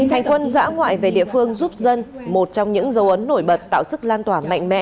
hành quân giã ngoại về địa phương giúp dân một trong những dấu ấn nổi bật tạo sức lan tỏa mạnh mẽ